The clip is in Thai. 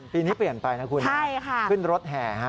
ปีนี้เปลี่ยนไปนะคุณขึ้นรถแห่ฮะ